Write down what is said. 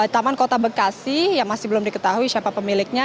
taman kota bekasi yang masih belum diketahui siapa pemiliknya